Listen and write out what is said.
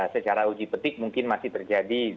secara uji petik mungkin masih terjadi